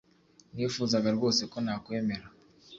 Nifuzaga rwose ko nakwemera